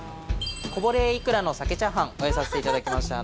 こぼれイクラの鮭チャーハンご用意させていただきました。